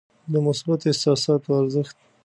د مثبتو احساساتو ارزښت.